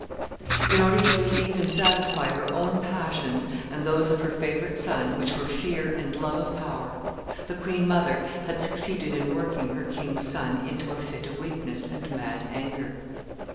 In order to relieve and satisfy her own passions and those of her favorite son, which were fear and love of power, the queen mother had succeeded in working her king son into a fit of weakness and mad anger.